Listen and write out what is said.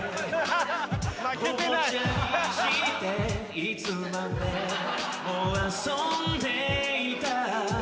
いつまでも遊んでいた